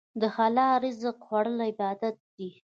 د حلال رزق خوړل عبادت دی.